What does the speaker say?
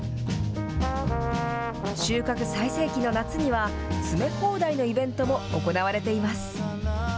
収穫最盛期の夏には、詰め放題のイベントも行われています。